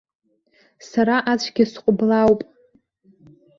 Сара ацәгьа сҟәыблаауп.